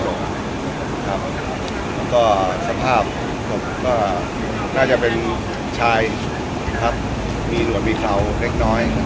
แล้วก็สภาพก็น่าจะเป็นชายครับมีรวดวิเคราะห์เล็กน้อยนะครับ